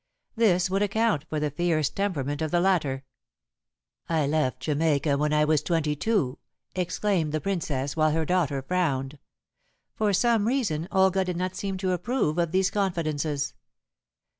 This would account for the fierce temperament of the latter. "I left Jamaica when I was twenty two," explained the Princess, while her daughter frowned. For some reason Olga did not seem to approve of these confidences.